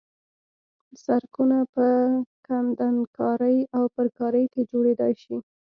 سرکونه په کندنکارۍ او پرکارۍ کې جوړېدای شي